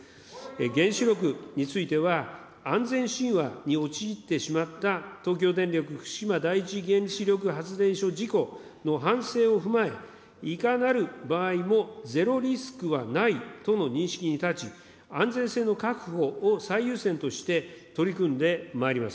原子力については、安全神話に陥ってしまった、東京電力福島第一原子力発電所事故の反省を踏まえ、いかなる場合もゼロリスクはないとの認識に立ち、安全性の確保を最優先として取り組んでまいります。